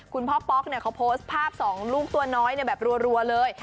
คุณพ่อป๊อกเนี่ยเขาโพสต์ภาพ๒ลูกตัวน้อยแบบรัวเลย